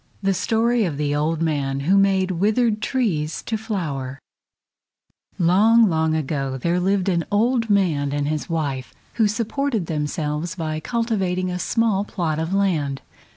THE STORY OF THE OLD MAN WHO MADE WITHERED TREES TO FLOWER Long, long ago there lived an old man and his wife who supported themselves by cultivating a small plot of land.